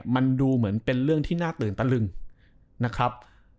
มันดูเหมือนเป็นเรื่องที่น่าตื่นตะลึงนะครับ